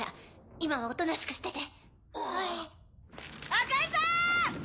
赤井さん！